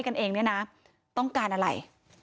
กันเองเนี่ยนะต้องการอะไร